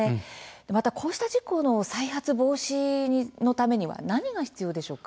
また、こうした事故の再発防止のためには何が必要でしょうか。